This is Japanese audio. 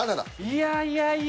いやいやいや。